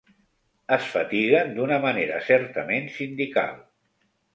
Es fatiguen d'una manera certament sindical.